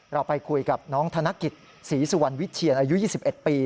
เราไปคุยกับน้องธนกิจศรีสุวรรณวิเชียนอายุ๒๑ปี